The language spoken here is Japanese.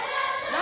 何？